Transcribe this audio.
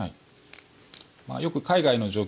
よく海外の状況